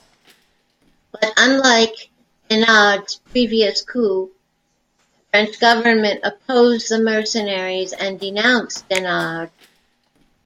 But unlike Denard's previous coups, the French government opposed the mercenaries and denounced Denard.